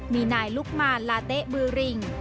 มีนายลุกมานลาเต๊ะบือริง